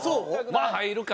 まあ入るか。